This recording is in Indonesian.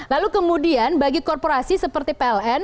lalu kemudian bagi korporasi seperti pln